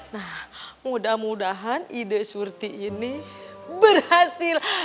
nah mudah mudahan ide surti ini berhasil